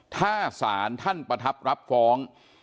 ถ้าศาลท่านประทับรับฟ้อง